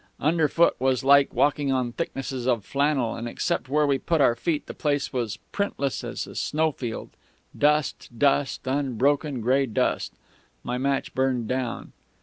Underfoot was like walking on thicknesses of flannel, and except where we put our feet the place was as printless as a snowfield dust, dust, unbroken grey dust. My match burned down....